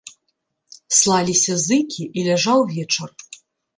Слаліся зыкі, і ляжаў вечар.